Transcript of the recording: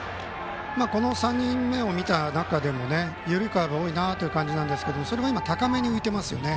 この３人目を見た中でも緩いカーブが多いですがそれが今高めに浮いていますよね。